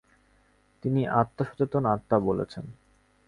তিনি আত্মসচেতন আত্মা বলেছেন।